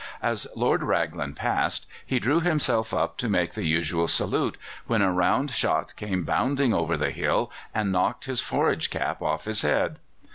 As Lord Raglan passed, he drew himself up to make the usual salute, when a round shot came bounding over the hill and knocked his forage cap off his head.